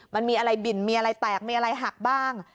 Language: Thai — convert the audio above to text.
มันมีอะไรบิ่นมีอะไรแตกมีอะไรหักบ้าง